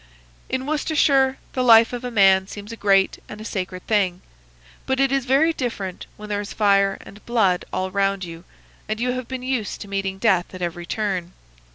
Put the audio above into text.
"In Worcestershire the life of a man seems a great and a sacred thing; but it is very different when there is fire and blood all round you and you have been used to meeting death at every turn.